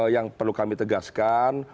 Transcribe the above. yang perlu kami tegaskan